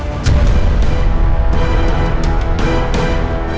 sampai jumpa di video selanjutnya